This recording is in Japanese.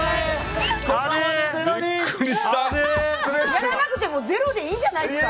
やらなくても０でいいんじゃないですか？